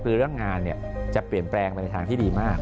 คือเรื่องงานจะเปลี่ยนแปลงไปในทางที่ดีมาก